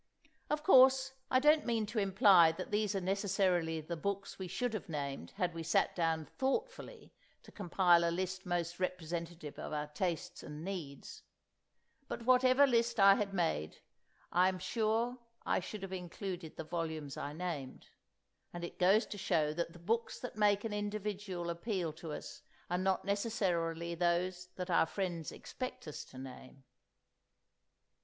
Of course, I don't mean to imply that these are necessarily the books we should have named had we sat down thoughtfully to compile a list most representative of our tastes and needs; but whatever list I had made, I'm sure I should have included the volumes I named; and it goes to show that the books that make an individual appeal to us are not necessarily those that our friends expect us to name.